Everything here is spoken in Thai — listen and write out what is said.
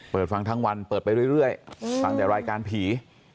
เปิดฟังทั้งวันเปิดไปเรื่อยฟังแต่รายการผี